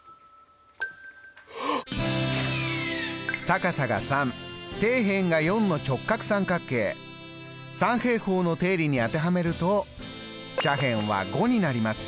高さが３底辺が４の直角三角形三平方の定理に当てはめると斜辺は５になります。